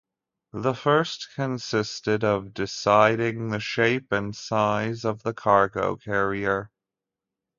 The first consisted of deciding the shape and size of the cargo carrier.